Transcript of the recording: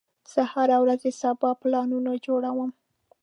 زه هره ورځ د سبا پلانونه جوړوم.